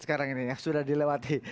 sekarang ini ya sudah dilewati